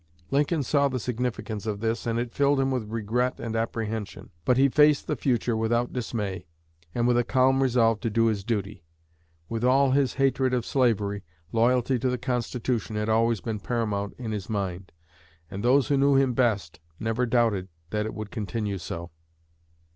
Lincoln saw the significance of this, and it filled him with regret and apprehension. But he faced the future without dismay, and with a calm resolve to do his duty. With all his hatred of slavery, loyalty to the Constitution had always been paramount in his mind; and those who knew him best never doubted that it would continue so.